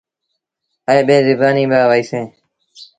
ائيٚݩ ٻيٚن زبآنيٚن آئي وهيٚسيٚݩ۔